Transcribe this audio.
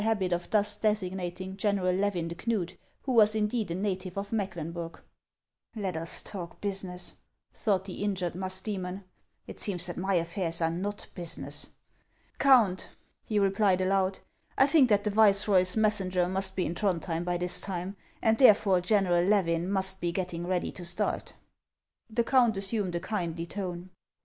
habit of thus designating General Levin de Knud, who was indeed a native of Mecklenburg. " Let us talk business !" thought the injured Mus du3inon ;" it seems that my affairs are not ' business.' Count," he replied aloud, " I think that the viceroy's mes senger must be in Throndhjem by this time, and therefore General Levin must be getting ready to start." The count assumed a kindly tone.